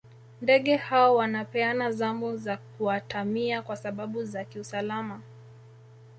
ndege hao wanapeana zamu za kuatamia kwa sababu za kiusalama